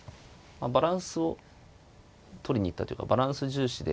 バランスをとりに行ったというかバランス重視で。